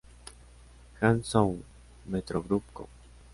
Hangzhou Metro Group Co.